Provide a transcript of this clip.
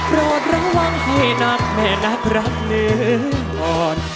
รอดระวังเทพนักแม่นักรักเนี่ย